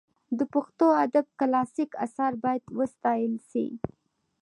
د پښتو ادب کلاسیک آثار باید وساتل سي.